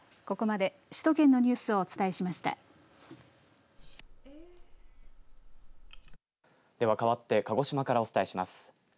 では、かわって鹿児島からお伝えします。